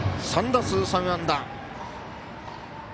３打数３安打。